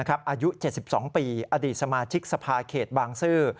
อายุ๗๒ปีอดีตสมาชิกสภาเขตบางซื่อ